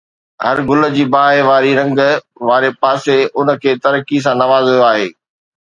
هر گل جي باهه واري رنگ واري پاسي ان کي ترقي سان نوازيو آهي